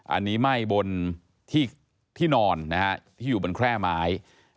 อันนี้ไหม้บนที่นอนนะฮะที่อยู่บนแคร่ไม้